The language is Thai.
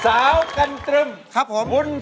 สาวกันตรึมคุณสวรพมตอบไปแล้วคุณสวรพมตอบ